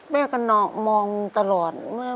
แม่ก็นอกมองต่อเลย